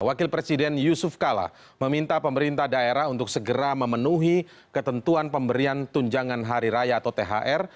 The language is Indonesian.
wakil presiden yusuf kala meminta pemerintah daerah untuk segera memenuhi ketentuan pemberian tunjangan hari raya atau thr